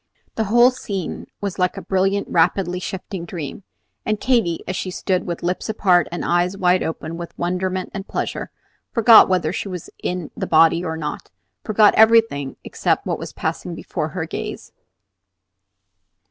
The whole scene was like a brilliant, rapidly shifting dream; and Katy, as she stood with lips apart and eyes wide open with wonderment and pleasure, forgot whether she was in the body or not, forgot everything except what was passing before her gaze.